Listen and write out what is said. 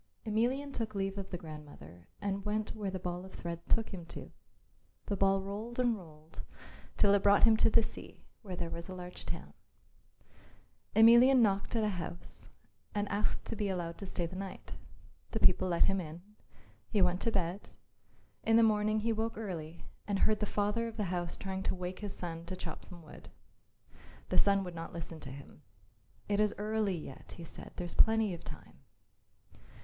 Emelian took leave of the grandmother and went where the ball of thread took him to. The ball rolled and rolled till it brought him to the sea, where there was a large town. Emelian knocked at a house and asked to be allowed to stay the night. The people let him in. He went to bed. In the morning he woke early and heard the father of the house trying to wake his son to chop some wood. The son would not listen to him. "It is early yet," he said, "there's plenty of time."